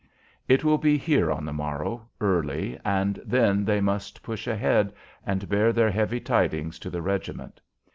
It will be here on the morrow, early, and then they must push ahead and bear their heavy tidings to the regiment.